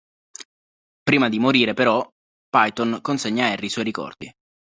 Prima di morire, però, Piton consegna a Harry i suoi ricordi.